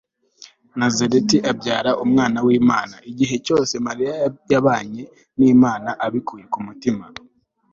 nazareti abyara umwana w'imana. igihe cyose mariya yabanye n'imana abikuye ku mutima